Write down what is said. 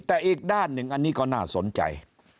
แต่อีกด้านหนึ่งอันนี้ก็น่าสนใจ